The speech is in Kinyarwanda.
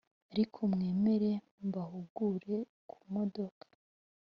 Ariko mwemere mbahugure kumodoka